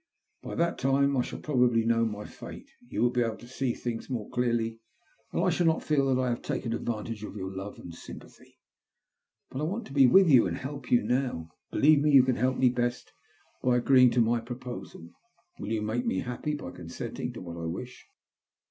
By that time I shall probably know my fate, you will be able to see things more clearly, and I shall not feel that I have takon advantage of your love and sympathy." " But I want to be with you and to help you now." *' Believe me, you can help me best by agreeing to my proposal. "Will you make me happy by consenting to what I wish